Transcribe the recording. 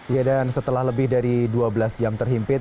ya dan setelah lebih dari dua belas jam terhimpit